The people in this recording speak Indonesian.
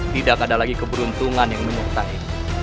tidak ada lagi keberuntungan yang menyertai